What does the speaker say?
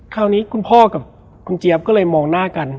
คราวนี้คุณพ่อกับคุณเจี๊ยบก็เลยมองหน้ากัน